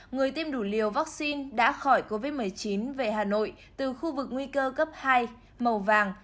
người tiêm đủ liều vaccine đã khỏi covid một mươi chín về hà nội từ khu vực nguy cơ cấp hai màu vàng